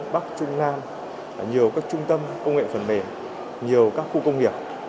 bắc trung nam nhiều các trung tâm công nghệ phần mềm nhiều các khu công nghiệp